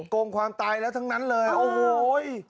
โกงความตายแล้วทั้งนั้นเลยโอ้โห